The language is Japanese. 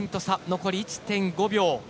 残り１５秒。